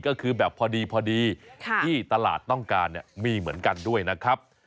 ก็คือแบบพอดีที่ตลาดต้องการมีเหมือนกันด้วยนะครับ